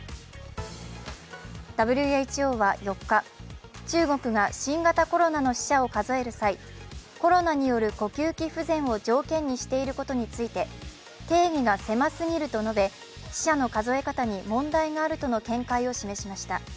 ＷＨＯは４日、中国が新型コロナの死者を数える際、コロナによる呼吸器不全を条件にしていることについて定義が狭すぎると述べ、死者の数え方に問題があるとの見解を示しました。